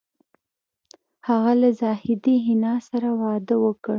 هغه له زاهدې حنا سره واده وکړ